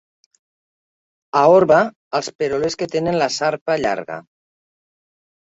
A Orba, els perolers que tenen la sarpa llarga.